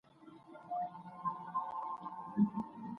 حقيقت لا هم مبهم پاتې دی.